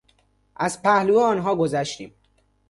از پهلو آنها گذشتیم.